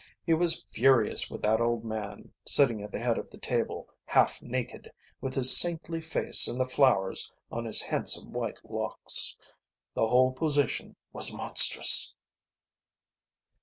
He was furious with that old man, sitting at the head of the table, half naked, with his saintly face and the flowers on his handsome white locks. The whole position was monstrous.